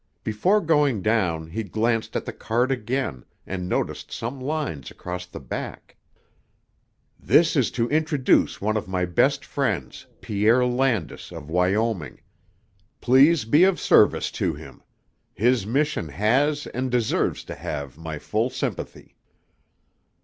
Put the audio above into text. Before going down he glanced at the card again and noticed some lines across the back: This is to introduce one of my best friends, Pierre Landis, of Wyoming. Please be of service to him. His mission has and deserves to have my full sympathy.